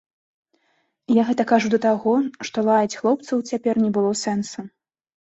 Я гэта кажу да таго, што лаяць хлопцаў цяпер не было сэнсу.